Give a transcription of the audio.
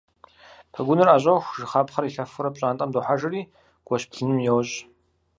Пэгуныр ӏэщӏоху, жыхапхъэр илъэфурэ пщӏантӏэм дохьэжри гуэщ блыным йощӏ.